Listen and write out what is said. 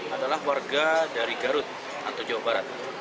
adalah warga dari garut atau jawa barat